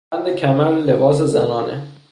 بند کمر لباس زنانه